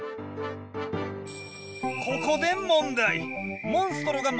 ここで問題。